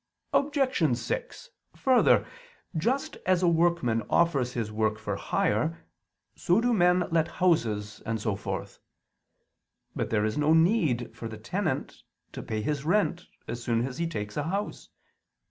Obj. 6: Further, just as a workman offers his work for hire, so do men let houses and so forth. But there is no need for the tenant to pay his rent as soon as he takes a house.